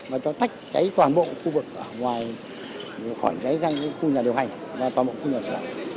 và cho tách cháy toàn bộ khu vực ở ngoài khỏi cháy sang cái khu nhà điều hành và toàn bộ khu nhà sửa